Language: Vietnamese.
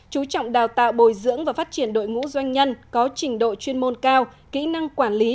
chú trọng đào tạo bồi dưỡng và phát triển đội ngũ doanh nhân có trình độ chuyên môn cao kỹ năng quản lý